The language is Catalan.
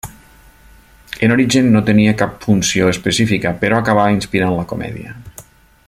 En origen no tenia cap funció específica però acabà inspirant la comèdia.